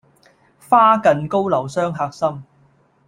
花近高樓傷客心，